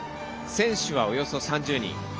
選手は、およそ３０人。